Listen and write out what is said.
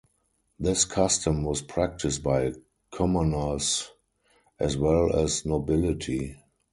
This custom was practised by commoners as well as nobility.